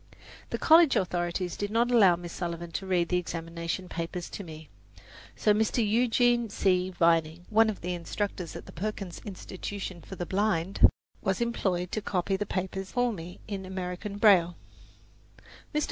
The college authorities did not allow Miss Sullivan to read the examination papers to me; so Mr. Eugene C. Vining, one of the instructors at the Perkins Institution for the Blind, was employed to copy the papers for me in American braille. Mr.